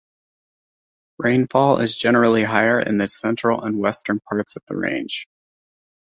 Rainfall is generally higher in the central and western parts of the range.